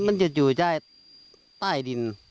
มันจะอยู่ใต้ดิน